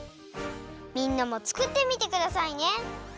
みんなもつくってみてくださいね。